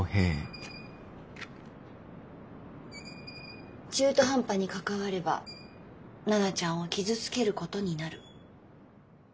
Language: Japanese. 回想中途半端に関われば奈々ちゃんを傷つけることになる。